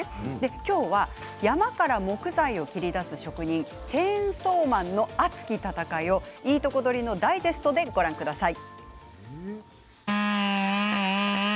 今日は山から木材を切り出す職人チェーンソーマンの熱き戦いをいいとこ取りのダイジェストでご覧ください。